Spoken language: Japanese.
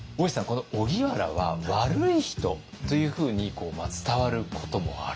この荻原は悪い人というふうに伝わることもあると。